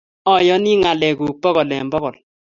ayonii ngalek kuk pokol eng pokol.